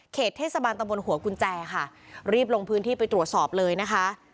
เทศบาลตะบนหัวกุญแจค่ะรีบลงพื้นที่ไปตรวจสอบเลยนะคะ